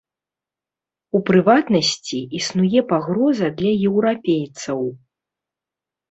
У прыватнасці, існуе пагроза для еўрапейцаў.